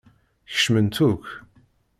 Kecment akk.